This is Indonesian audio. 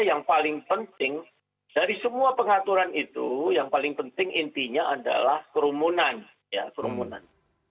yang paling penting dari semua pengaturan itu yang paling penting intinya adalah kerumunan ya kerumunan